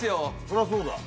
そらそうだ。